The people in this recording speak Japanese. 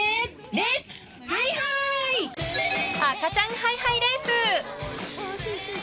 赤ちゃんハイハイレース！